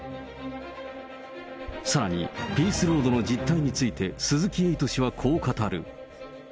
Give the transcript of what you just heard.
さらにピースロードの実態について、鈴木エイト氏はこう語る。